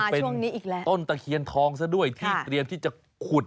เป็นต้นตะเคียนทองซะด้วยที่เตรียมที่จะขุด